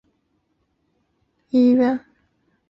附近有台北捷运府中站及亚东医院站。